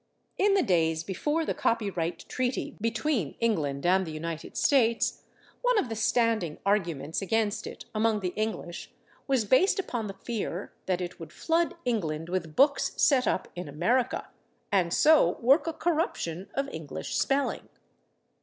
In the days before the copyright treaty between England and the United States, one of the standing arguments against it among the English was based upon the fear that it would flood England with books set up in America, and so work a corruption of English spelling.